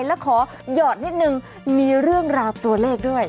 และขอหยอดนิดนึงมีเรื่องราวตัวเลขด้วย